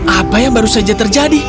apa yang baru saja terjadi